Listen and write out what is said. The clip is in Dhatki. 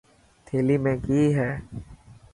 ٿيلي ۾ ڪئي هي.